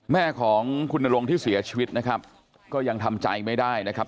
แม่ของคุณนรงค์ที่เสียชีวิตนะครับก็ยังทำใจไม่ได้นะครับ